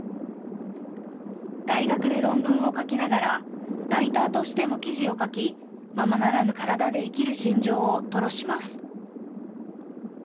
大学で論文を書きながらライターとしても記事を書きままならぬ体で生きる心情を吐露します。